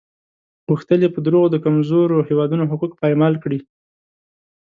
غوښتل یې په دروغو د کمزورو هېوادونو حقوق پایمال کړي.